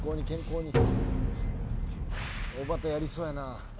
おばたやりそうやな。